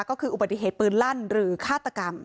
ก็คืออุบัติเหตุปืนลั่นหรือฆาตกรรม